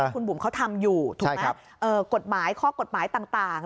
คุณบุ๋มเขาทำอยู่ใช่ครับเอ่อกฎหมายข้อกฎหมายต่างต่าง